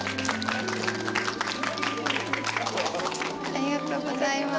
ありがとうございます。